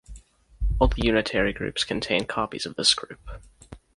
All the unitary groups contain copies of this group.